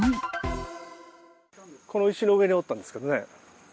この石の上におったんですけどね。